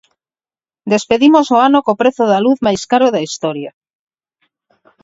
Despedimos o ano co prezo da luz máis caro da historia.